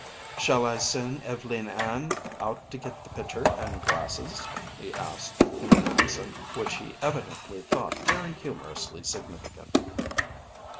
"Shall I send Ev'leen Ann out to get the pitcher and glasses?" he asked in an accent which he evidently thought very humorously significant.